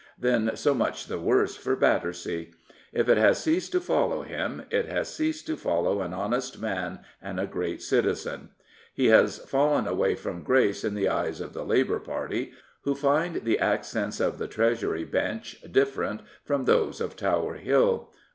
Then so much the worse for Battersea. If it has ceased to follow him, it has ceased to follow an honest man and a great citizen. He has fallen away from grace in the eyes of the Labour Party, who find the accents of the Treasury Bench different from those of Tower Hill.